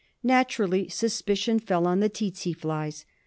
Naturally, suspicion fell on the tsetse flies.